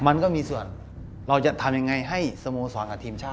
มันก็มีส่วนเราจะทำยังไงให้สโมสร